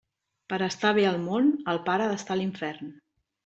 Per a estar bé al món, el pare ha d'estar a l'infern.